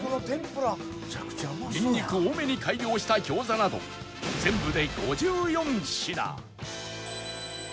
ニンニク多めに改良した餃子など全部で５４品